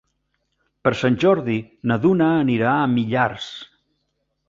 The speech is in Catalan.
Per Sant Jordi na Duna anirà a Millars.